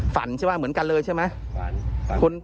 ใช่ไหมเหมือนกันเลยใช่ไหม